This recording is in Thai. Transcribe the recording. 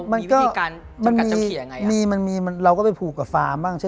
มันก็มันมีมันมีมันมีมันเราก็ไปผูกกับฟาร์มบ้าง